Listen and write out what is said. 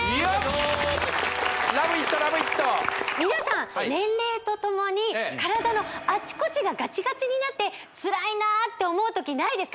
皆さん年齢とともに体のあちこちがガチガチになってつらいなあって思う時ないですか？